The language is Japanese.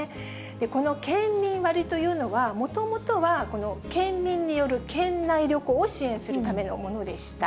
この県民割というのは、もともとは県民による県内旅行を支援するためのものでした。